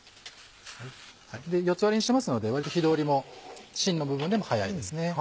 ４つ割りにしてますので割と火通りもしんの部分でも早いですね。